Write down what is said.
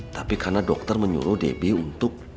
tapi karena dokter menyuruh debbie untuk